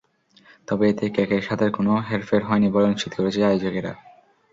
তবে এতে কেকের স্বাদের কোনো হেরফের হয়নি বলে নিশ্চিত করেছে আয়োজকেরা।